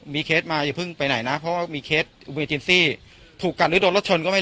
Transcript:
เคสมาอย่าเพิ่งไปไหนนะเพราะว่ามีเคสเวจินซี่ถูกกัดหรือโดนรถชนก็ไม่